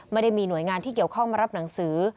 ไม่ได้มีหน่วยงานที่เกี่ยวข้องมารับหนังสือ